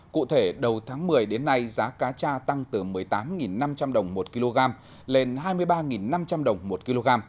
cụ thể đầu tháng một mươi đến nay giá cá cha tăng từ một mươi tám năm trăm linh đồng một kg lên hai mươi ba năm trăm linh đồng một kg